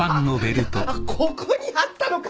いやここにあったのか！